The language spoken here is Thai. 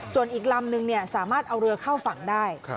ส่วนอีกลำนึงสามารถเอาเรือเข้าฝั่งได้